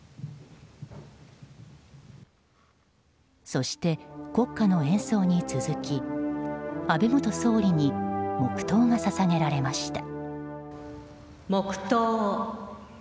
そして、国家の演奏に続き安倍元総理に黙祷が捧げられました。